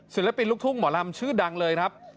ศิลปินลูกทุ่งหมอลำชื่อดังเลยครับ